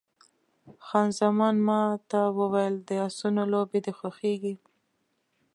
خان زمان ما ته وویل، د اسونو لوبې دې خوښېږي؟